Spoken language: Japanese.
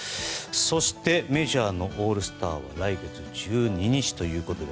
そして、メジャーのオールスターは来月１２日ということで。